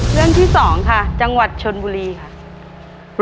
เรื่องที่๒ค่ะจังหวัดชนบุรีค่ะ